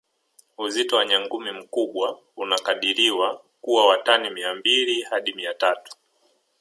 Uzito wa nyangumi mkubwa unakadiriwa kuwa wa tani Mia mbili hadi Mia tatu